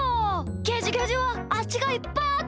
ゲジゲジはあしがいっぱいあっていいなあ！